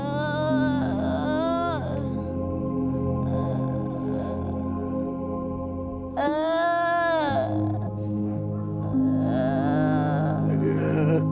แม่งแม่ง